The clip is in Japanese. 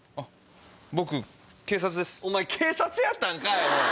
僕警察です。お前警察やったんかい！